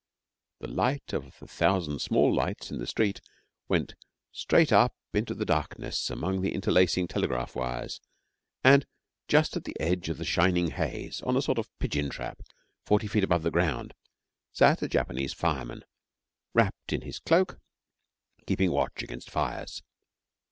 The light of the thousand small lights in the street went straight up into the darkness among the interlacing telegraph wires, and just at the edge of the shining haze, on a sort of pigeon trap, forty feet above ground, sat a Japanese fireman, wrapped up in his cloak, keeping watch against fires.